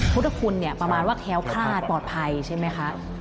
พุทธคุณเนี่ยประมาณว่าแค้วคลาดปลอดภัยใช่ไหมคะ